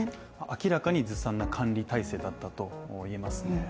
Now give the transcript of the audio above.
明らかにずさんな管理体制だったと言えます。